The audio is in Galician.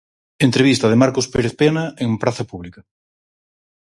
Entrevista de Marcos Pérez Pena en Praza Pública